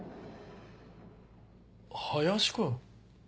・林君。